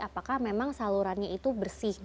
apakah memang salurannya itu bersih